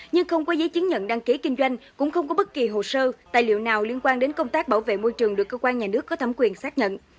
nhưng không có giấy chứng nhận đăng ký kinh doanh cũng không có bất kỳ hồ sơ tài liệu nào liên quan đến công tác bảo vệ môi trường được cơ quan nhà nước có thẩm quyền xác nhận